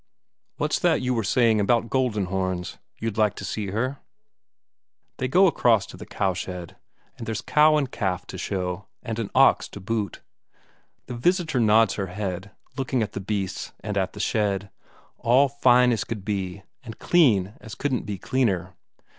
What's that you were saying about Goldenhorns? You'd like to see her?" They go across to the cowshed, and there's cow and calf to show, and an ox to boot. The visitor nods her head, looking at the beasts, and at the shed; all fine as could be, and clean as couldn't be cleaner.